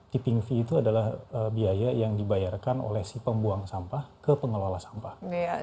tiping fee itu adalah biaya yang dibayarkan oleh si pembuang sampah ke pengelola sampah